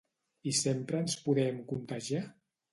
I sempre ens podem contagiar?